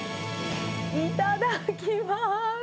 いただきます。